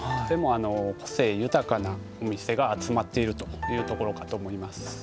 とても個性豊かなお店が集まっているというところかと思います。